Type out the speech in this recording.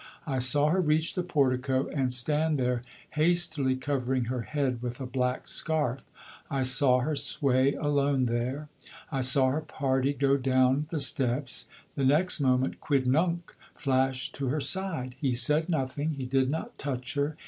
I saw her reach the portico and stand there hastily covering her head with a black scarf; I saw her sway alone there. I saw her party go down the steps. The next moment Quidnunc flashed to her side. He said nothing, he did not touch her.